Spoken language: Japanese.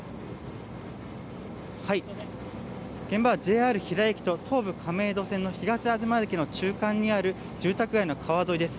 現場はＪＲ平井駅と東武東あずま駅の中間にある住宅外の川沿いです。